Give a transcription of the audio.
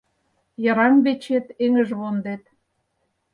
Йыраҥвечет - эҥыжвондет